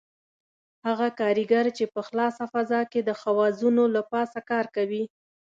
هغه کاریګر چې په خلاصه فضا کې د خوازونو له پاسه کار کوي.